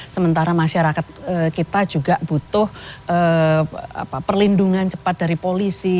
sementara masyarakat kita juga butuh perlindungan cepat dari polisi